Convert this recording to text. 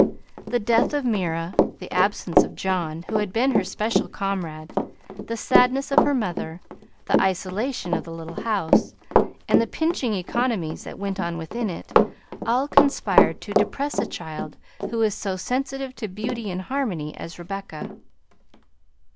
The death of Mira, the absence of John, who had been her special comrade, the sadness of her mother, the isolation of the little house, and the pinching economies that went on within it, all conspired to depress a child who was so sensitive to beauty and harmony as Rebecca.